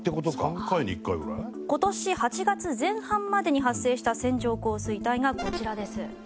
今年８月前半までに発生した線状降水帯がこちらです。